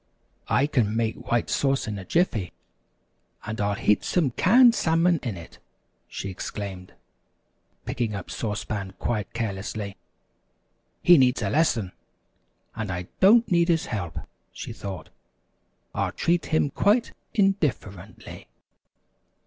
] "I can make White Sauce in a jiffy, and I'll heat some canned salmon in it," she exclaimed, picking up Sauce Pan quite carelessly. "He needs a lesson, and I don't need his help," she thought. "I'll treat him quite in dif fer ent ly."